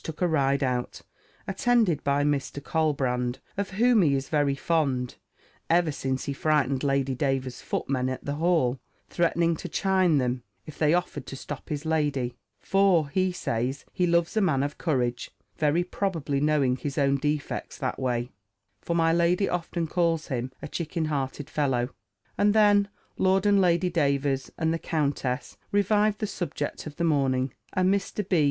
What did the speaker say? took a ride out, attended by Mr. Colbrand, of whom he is very fond, ever since he frightened Lady Davers's footmen at the Hall, threatening to chine them, if they offered to stop his lady: for, he says, he loves a man of courage: very probably knowing his own defects that way, for my lady often calls him a chicken hearted fellow. And then Lord and Lady Davers, and the countess, revived the subject of the morning; and Mr. B.